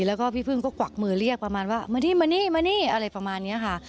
แล้วก็พี่พึ่งก็กวักมือเรียกประมาณว่ามานี่มานี่มานี่อะไรประมาณนี้ค่ะ